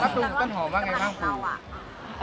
มะตูมต้นหอมว่าไงข้างปู